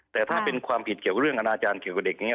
แต่ถ้าเป็นความผิดเกี่ยวกับเรื่องอนาจารย์เกี่ยวกับเด็กนี้